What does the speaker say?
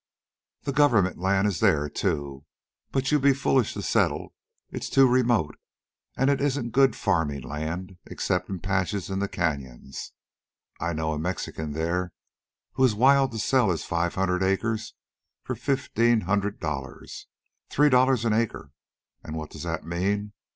The government land is there, too. But you'd be foolish to settle. It's too remote. And it isn't good farming land, except in patches in the canyons. I know a Mexican there who is wild to sell his five hundred acres for fifteen hundred dollars. Three dollars an acre! And what does that mean?